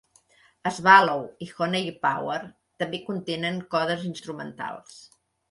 "Swallow" i "Honey Power" també contenen codes instrumentals.